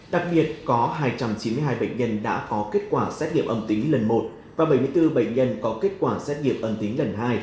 đặc biệt có hai trăm chín mươi hai bệnh nhân đã có kết quả xét nghiệm âm tính lần một và bảy mươi bốn bệnh nhân có kết quả xét nghiệm âm tính lần hai